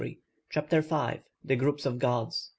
CHAPTER V THE GROUPS OF GODS.